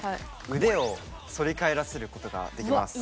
腕を反り返らせることができます。